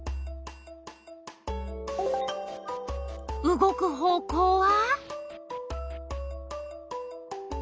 動く方向は？